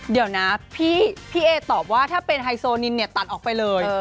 เดี๋ยวนะพี่เอตอบว่าถ้าเป็นไฮโซนินเนี่ยตัดออกไปเลย